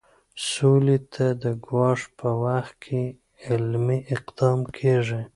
سولې ته د ګواښ په وخت کې عملي اقدام کیږي.